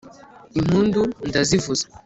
Impundu ndazivuza